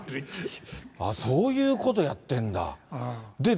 そういうことやってんだ。